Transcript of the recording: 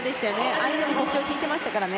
相手も腰を引いてましたからね。